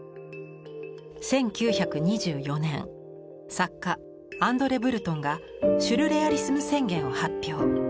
１９２４年作家アンドレ・ブルトンが「シュルレアリスム宣言」を発表。